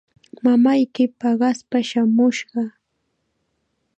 Mamayki paqaspa chaamushqa.